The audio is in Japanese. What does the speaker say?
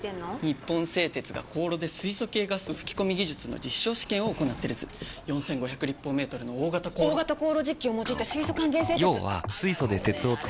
日本製鉄が高炉で素系ガス吹き込み技術の実証試験を行っている図苅毅娃立方メートルの大型高炉大型高炉実機を用いた素還元製鉄！